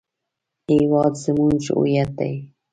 هېواد زموږ هویت دی